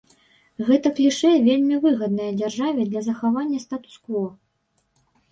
Гэта клішэ вельмі выгаднае дзяржаве для захавання статус-кво.